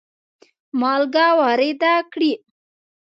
مالګه وارده کړي.